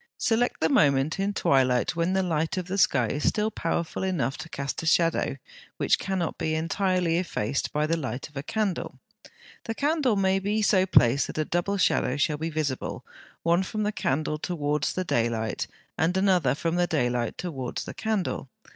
Select the moment in twilight when the light of the sky is still powerful enough to cast a shadow which cannot be entirely effaced by the light of a candle. The candle may be so placed that a double shadow shall be visible, one from the candle towards the daylight, and another from the daylight towards the candle.